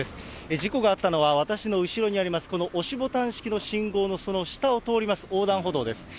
事故があったのは、私の後ろにあります、この押しボタン式の信号のその下を通ります、横断歩道です。